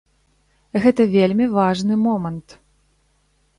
Гэта вельмі важны момант.